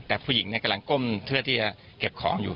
แต่ผู้หญิงกำลังก้มเพื่อที่จะเก็บของอยู่